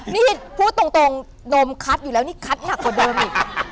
นี่พูดตรงนมคัดอยู่แล้วนี่คัดหนักกว่าเดิมอีก